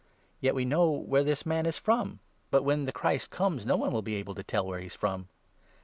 Yet we know where this man 27 is from f but, when the Christ comes, no one will be able to tell where he is from."